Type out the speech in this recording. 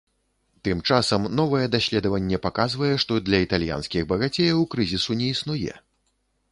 Тым часам новае даследаванне паказвае, што для італьянскіх багацеяў крызісу не існуе.